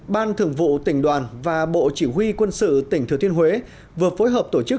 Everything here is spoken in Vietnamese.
ban thường vụ tỉnh đoàn và bộ chỉ huy quân sự tỉnh thừa thiên huế vừa phối hợp tổ chức